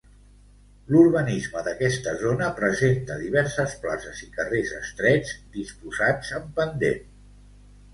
L'urbanisme d'aquesta zona presenta diverses places i carrers estrets, disposats en pendent.